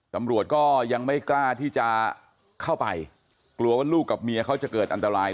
ตำรวจก็ยังไม่กล้าที่จะเข้าไปกลัวว่าลูกกับเมียเขาจะเกิดอันตราย